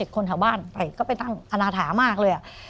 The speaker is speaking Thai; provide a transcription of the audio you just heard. ๖๗คนทางบ้านก็ไปนั่งอนาถามากเลยอะ